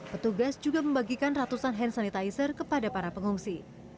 petugas juga membagikan ratusan hand sanitizer kepada para pengungsi